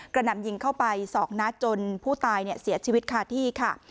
นำยิงเข้าไป๒นัดจนผู้ตายเสียชีวิตคาที่ค่ะ